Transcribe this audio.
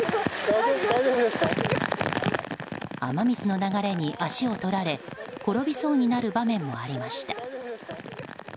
雨水の流れに足を取られ転びそうになる場面もありました。